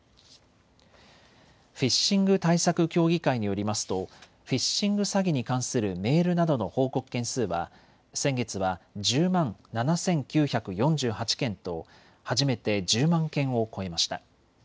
フィッシング対策協議会によりますとフィッシング詐欺に関するメールなどの報告件数は先月は１０万７９４８件と初めて１０万件を超えました。